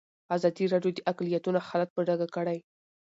ازادي راډیو د اقلیتونه حالت په ډاګه کړی.